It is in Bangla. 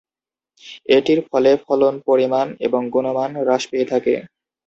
এটির ফলে ফলন পরিমাণ এবং গুণমান হ্রাস পেয়ে থাকে।